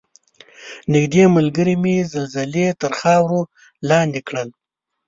نږدې ملګرې مې زلزلې تر خاورو لاندې کړل.